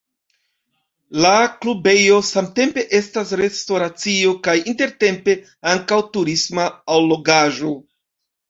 La klubejo samtempe estas restoracio kaj intertempe ankaŭ turisma allogaĵo.